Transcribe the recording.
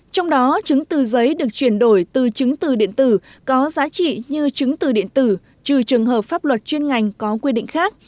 trong đó chứng từ giấy được chuyển đổi từ chứng từ điện tử có giá trị như chứng từ điện tử trừ trường hợp pháp luật chuyên ngành có quy định khác